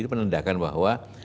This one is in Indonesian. itu menandakan bahwa